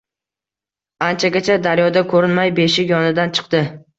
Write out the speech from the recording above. Anchagacha daryoda ko‘rinmay beshik yonidan chiqdi.